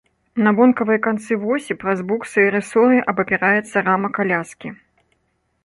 На вонкавыя канцы восі праз буксы і рысоры абапіраецца рама каляскі.